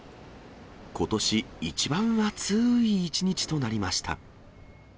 ことし一番暑ーい一日となりました。